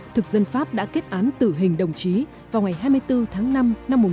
thực dân pháp đã kết án tử hình đồng chí vào ngày hai mươi bốn tháng năm năm một nghìn chín trăm bốn mươi năm